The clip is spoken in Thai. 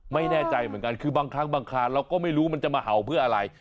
ไม่แน่ใจเหมือนกันคือบางครั้งบางคราเราก็ไม่รู้มันจะมาเห่าเพื่ออะไร